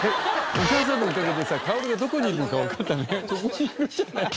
お母さんのおかげでさカヲルがどこにいるのかわかったね。